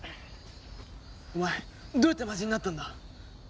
お前どうやって魔人になったんだ？